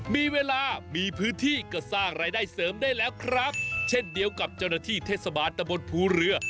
มีเวลามีพื้นที่ก็สร้างรายได้เสริมได้แล้วครับเช่นเดียวกับเจ้าหน้าที่เทศบาลตะบนภูเรือ